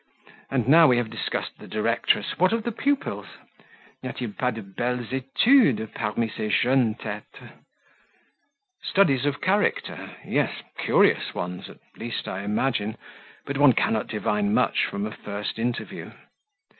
And now we have discussed the directress, what of the pupils? N'y a t il pas de belles etudes parmi ces jeunes tetes?" "Studies of character? Yes; curious ones, at least, I imagine; but one cannot divine much from a first interview."